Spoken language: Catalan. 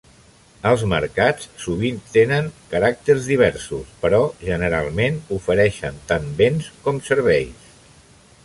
Els mercats sovint tenen caràcters diversos, però generalment ofereixen tant béns com serveis.